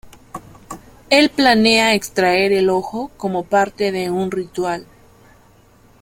Él planea extraer el ojo como parte de un ritual.